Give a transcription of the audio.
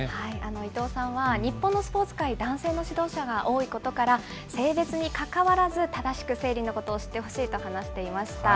伊藤さんは日本のスポーツ界は男性の指導者が多いことから性別にかかわらず正しく生理のことを知ってほしいと話していました。